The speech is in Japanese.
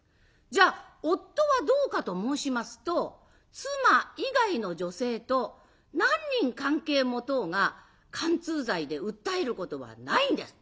じゃあ夫はどうかと申しますと妻以外の女性と何人関係持とうが姦通罪で訴えることはないんです。